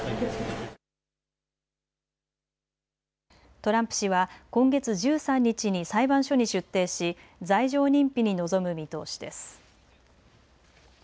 トランプ氏は今月１３日に裁判所に出廷し罪状認否に臨む見通しです。